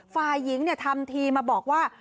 ฝ่ายหญิงทำทีมาบอกว่า